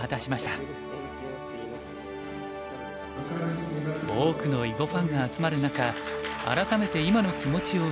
多くの囲碁ファンが集まる中改めて今の気持ちを伝えました。